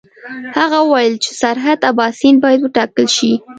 هغه وویل چې سرحد اباسین باید وټاکل شي.